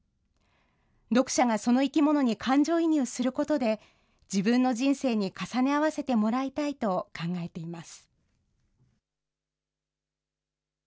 読者がその生き物に感情移入することで、自分の人生に重ね合わせてもらいたいと考えています。